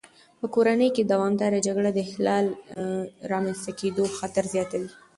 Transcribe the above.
په کورنۍ کې دوامداره جګړه د اختلال د رامنځته کېدو خطر زیاتوي.